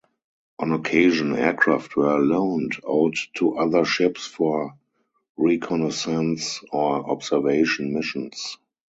On occasion, aircraft were loaned out to other ships for reconnaissance or observation missions.